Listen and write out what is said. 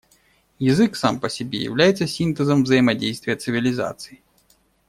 Язык, сам по себе, является синтезом взаимодействия цивилизаций.